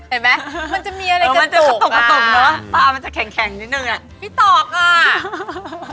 เห็นมั้ยมันจะมีอะไรกันตกที่ตกที่ตก